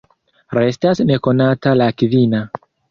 Restas nekonata la kvina.